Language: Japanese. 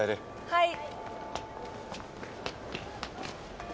はい。